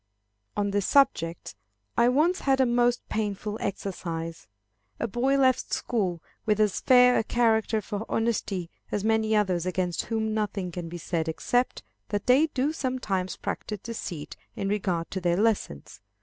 On this subject, I once had a most painful experience. A boy left school with as fair a character for honesty as many others against whom nothing can be said except that they do sometimes practise deceit in regard to their lessons.